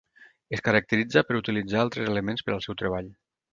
Es caracteritza per utilitzar altres elements per al seu treball.